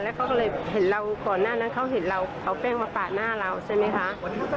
เขาก็เลยเห็นเราก่อนหน้านั้นเขาเห็นเราเอาแป้งมาปาดหน้าเราใช่ไหมคะ